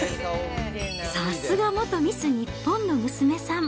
さすが元日本の娘さん。